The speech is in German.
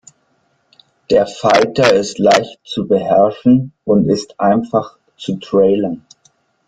Der Fighter ist leicht zu beherrschen und ist einfach zu trailern.